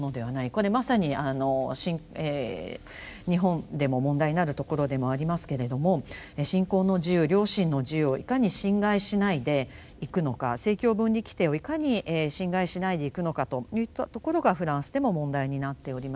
これまさに日本でも問題になるところでもありますけれども信仰の自由良心の自由をいかに侵害しないでいくのか政教分離規定をいかに侵害しないでいくのかといったところがフランスでも問題になっておりまして。